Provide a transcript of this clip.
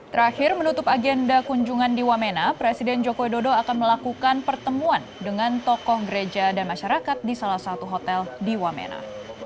terakhir menutup agenda kunjungan di wamena presiden joko widodo akan melakukan pertemuan dengan tokoh gereja dan masyarakat di salah satu hotel di wamena